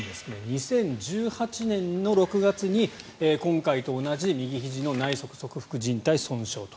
２０１８年の６月に今回と同じ右ひじの内側側副じん帯損傷と。